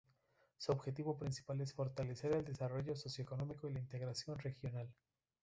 Su objetivo principal es fortalecer el desarrollo socioeconómico y la integración regional.